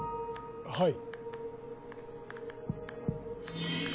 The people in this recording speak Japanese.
はい。